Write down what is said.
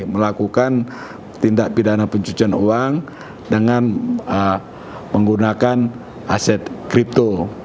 melakukan tindak pidana pencucian uang dengan menggunakan aset kripto